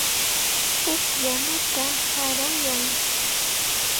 Pukllanata qarayan.